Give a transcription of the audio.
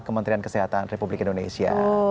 kementerian kesehatan republik indonesia